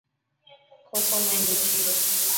Koko ng'eny e chiro